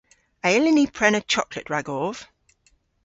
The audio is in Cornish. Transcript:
A yllyn ni prena choklet ragov?